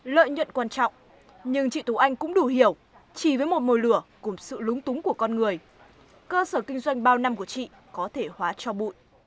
lợi nhuận quan trọng nhưng chị tú anh cũng đủ hiểu chỉ với một mồi lửa cùng sự lúng túng của con người cơ sở kinh doanh bao năm của chị có thể hóa cho bụi